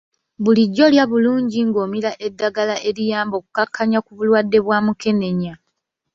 Bulijjo lya bulungi ng'omira eddagala eriyamba okukakkanya ku bulwadde bwa mukenenya.